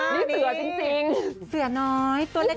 นี่เสือจริงเสือน้อยตัวเล็ก